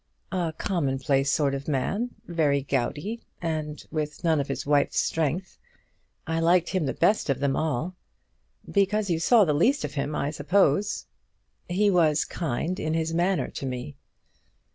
"A common place sort of a man; very gouty, and with none of his wife's strength. I liked him the best of them all." "Because you saw the least of him, I suppose." "He was kind in his manner to me."